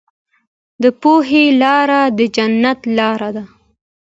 د پوهې لاره د جنت لاره ده.